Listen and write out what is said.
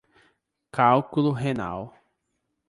Cálculo renal